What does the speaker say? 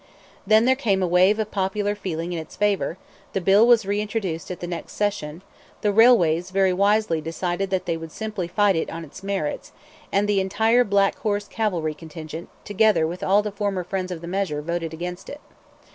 Then there came a wave of popular feeling in its favor, the bill was reintroduced at the next session, the railways very wisely decided that they would simply fight it on its merits, and the entire black horse cavalry contingent, together with all the former friends of the measure, voted against it.